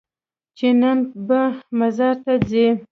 چې نن به مزار ته ځې؟